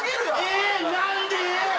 えっ！？何で？